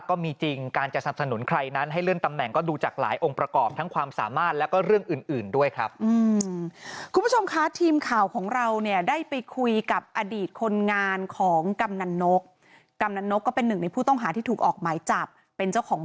ก็มีจริงการจะสนับสนุนใครนั้นให้เลื่อนตำแหน่ง